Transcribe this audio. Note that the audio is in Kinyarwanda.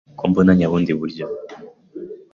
Ko mbona nyabundi buryo